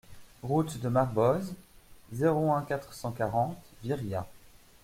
Route de Marboz, zéro un, quatre cent quarante Viriat